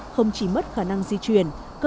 không chỉ mất khả năng di chuyển